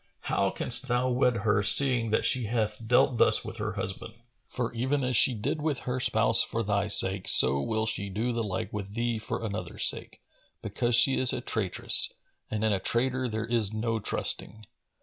How canst thou wed her, seeing that she hath dealt thus with her husband? For, even as she did with her spouse for thy sake, so will she do the like with thee for another's sake, because she is a traitress and in a traitor there is no trusting.